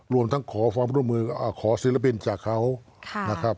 รวมทั้งขอความร่วมมือขอศิลปินจากเขานะครับ